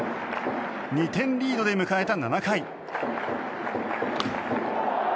２点リードで迎えた７回。